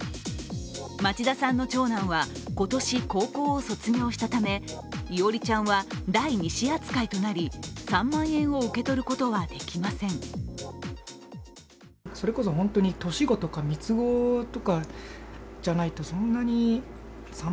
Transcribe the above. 町田さんの長男は今年高校を卒業したためいおりちゃんは第２子扱いになり、３万円を受け取ることができません町でも、このカウント方法には不満の声が。